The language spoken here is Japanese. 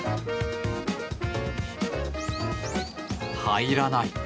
入らない。